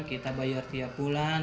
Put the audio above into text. kita bayar tiap bulan